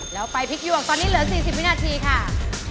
แล้วไปพริกหยวกตอนนี้เหลือ๔๐วินาทีค่ะ